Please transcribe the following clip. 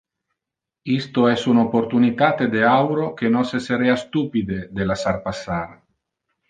Isto es un opportunitate de auro que nos esserea stupide de lassar passar.